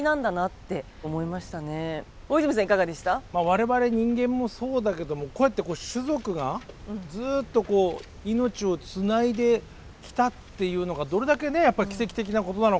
我々人間もそうだけどもこうやってこう種族がずっと命をつないできたっていうのがどれだけねやっぱり奇跡的なことなのかっていう。